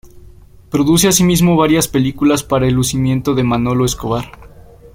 Produce asimismo varias películas para el lucimiento de Manolo Escobar.